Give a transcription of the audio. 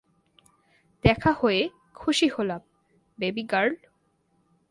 দেখা হয়ে খুশি হলাম, বেবি গার্ল।